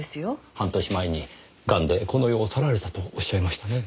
半年前にガンでこの世を去られたとおっしゃいましたね。